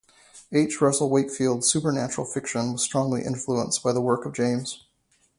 H. Russell Wakefield's supernatural fiction was strongly influenced by the work of James.